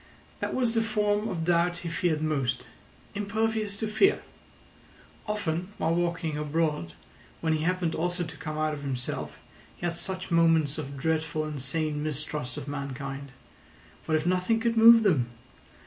That was the form of doubt he feared most. Impervious to fear! Often while walking abroad, when he happened also to come out of himself, he had such moments of dreadful and sane mistrust of mankind. What if nothing could move them?